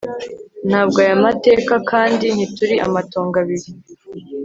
ntabwo aya mateka, kandi ntituri amatongo abiri